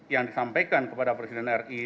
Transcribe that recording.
yang disampaikan kepada presiden ri